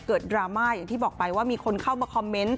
ดราม่าอย่างที่บอกไปว่ามีคนเข้ามาคอมเมนต์